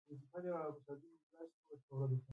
تاریخ به خپله قصه ووايي.